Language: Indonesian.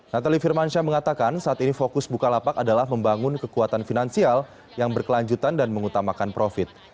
natali firmansyah mengatakan saat ini fokus bukalapak adalah membangun kekuatan finansial yang berkelanjutan dan mengutamakan profit